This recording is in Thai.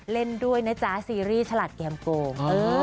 เล่นด้วยนะจ๊ะซีรีส์ฉลาดแกมโกง